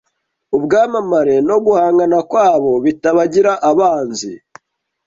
ubwamamare no guhangana kwabo bitabagira abanzi